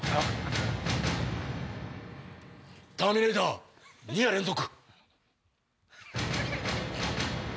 『ターミネーター』２夜連続。